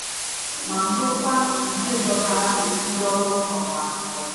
ma bụrụkwa nke dọtara ndị ọrụ ọba akwụkwọ